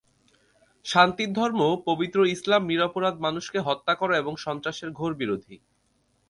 শান্তির ধর্ম পবিত্র ইসলাম নিরপরাধ মানুষকে হত্যা করা এবং সন্ত্রাসের ঘোর বিরোধী।